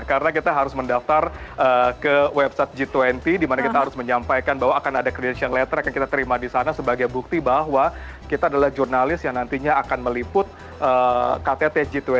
karena kita harus mendaftar ke website g dua puluh di mana kita harus menyampaikan bahwa akan ada kreditasi yang letter yang kita terima di sana sebagai bukti bahwa kita adalah jurnalis yang nantinya akan meliput ktt g dua puluh